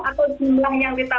ya kalau memang masyarakat berminat